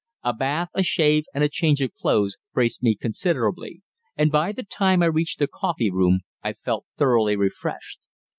A bath, a shave and a change of clothes braced me considerably, and by the time I reached the coffee room I felt thoroughly refreshed.